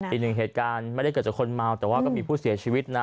อีกหนึ่งเหตุการณ์ไม่ได้เกิดจากคนเมาแต่ว่าก็มีผู้เสียชีวิตนะ